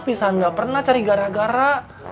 bisa gak pernah cari gara gara